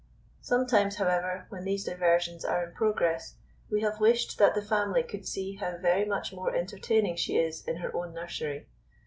Sometimes, however, when these diversions are in progress, we have wished that the family could see how very much more entertaining she is in her own nursery.